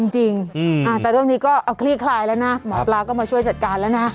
จริงแต่เรื่องนี้ก็เอาคลี่คลายแล้วนะหมอปลาก็มาช่วยจัดการแล้วนะ